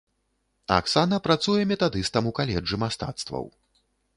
Аксана працуе метадыстам у каледжы мастацтваў.